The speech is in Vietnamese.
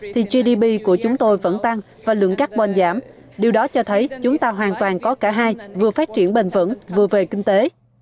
thì gdp của chúng tôi vẫn tăng và lượng carbon giảm điều đó cho thấy chúng ta hoàn toàn có cả hai vừa phát triển bền vững vừa về kinh tế